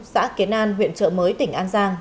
xã kiến an huyện chợ mới tỉnh an giang